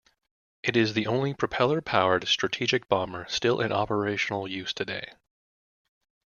It is the only propeller-powered strategic bomber still in operational use today.